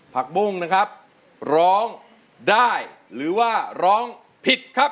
ผักบุ้งนะครับร้องได้หรือว่าร้องผิดครับ